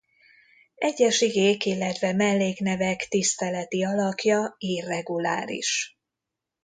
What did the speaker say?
Egyes igék illetve melléknevek tiszteleti alakja irreguláris.